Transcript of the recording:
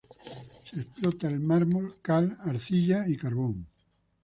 Se explota el mármol, cal arcilla y carbón.